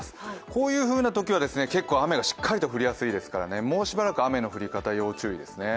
こういうふうなときは結構雨がしっかり降りやすいですからもうしばらく雨の降り方要注意ですね。